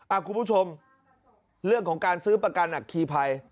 คุณผู้ชมเรื่องของการซื้อประกันอัคคีภัย